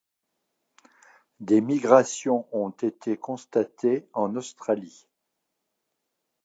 Des migrations ont été constatées en Australie.